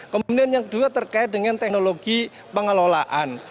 kemudian yang kedua terkait dengan teknologi pengelolaan